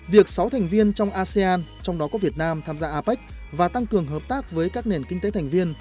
việc sáu thành viên trong asean trong đó có việt nam tham gia apec và tăng cường hợp tác với các nền kinh tế thành viên